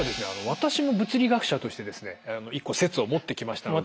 私も物理学者としてですね１個説を持ってきましたので。